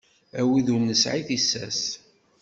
A wid ur nesɛi tissas.